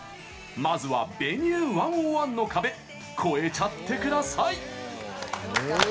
まずは「Ｖｅｎｕｅ１０１」の壁越えちゃってください！